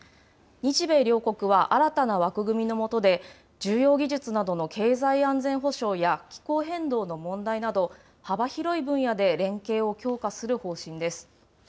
日米両国は、新たな枠組みの下で重要技術などの経済安全保障や気候変動の問題など、幅広い分野で連携を強化する方針です。